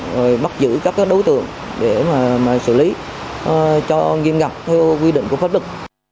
và bắt giữ các đối tượng để xử lý cho nghiêm ngập theo quy định của pháp luật